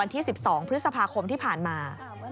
ที่๑๒พฤษภาคมที่ผ่านมา